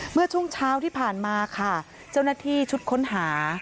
เมื่อช่วงเช้าที่ผ่านมาค่ะเจ้าหน้าที่ชุดค้นหา